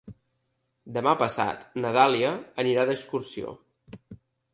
Demà passat na Dàlia anirà d'excursió.